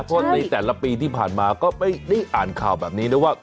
เพราะในแต่ละปีที่ผ่านมาก็ไม่ได้อ่านข่าวแบบนี้นะว่า